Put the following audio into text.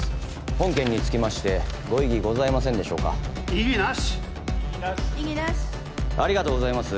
本件につきましてご異議ございませんでしょうか異議なしありがとうございます